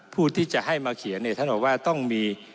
ผู้ที่จะให้มาเขียนเนี่ยท่านบอกว่าต้องมี